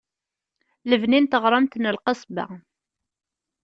Lebni n teɣremt n Lqesba.